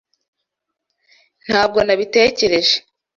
Ntabwo nabitekereje?